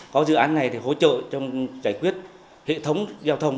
có dự án này thì hỗ trợ trong giải quyết hệ thống giao thông